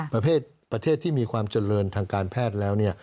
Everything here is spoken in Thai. ประเทศที่มีความเจริญทางการแพทย์แล้ว